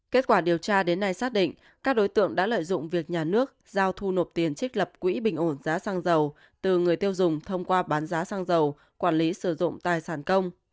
kết quả điều tra đến nay xác định các đối tượng đã lợi dụng việc nhà nước giao thu nộp tiền trích lập quỹ bình ổn giá xăng dầu từ người tiêu dùng thông qua bán giá xăng dầu quản lý sử dụng tài sản công